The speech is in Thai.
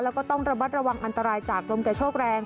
แล้วก็ต้องระมัดระวังอันตรายจากลมกระโชกแรง